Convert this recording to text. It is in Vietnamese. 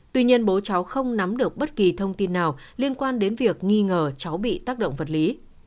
tuy nhiên bố cháu không nắm được bất kỳ thông tin nào liên quan đến việc nghi ngờ cháu bị tác động vật lý